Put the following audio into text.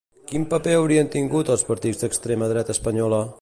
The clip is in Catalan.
Quin paper haurien tingut els partits d'extrema dreta espanyola?